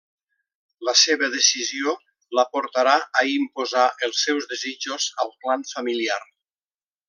La seva decisió la portarà a imposar els seus desitjos al clan familiar.